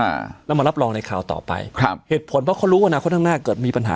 อ่าแล้วมารับรองในคราวต่อไปครับเหตุผลเพราะเขารู้อนาคตข้างหน้าเกิดมีปัญหา